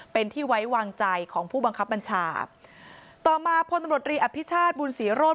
เป็นที่ไว้วางใจของผู้บังคับบัญชาต่อมาพลตำรวจรีอภิชาติบุญศรีโรธ